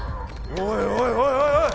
おいおいおいおい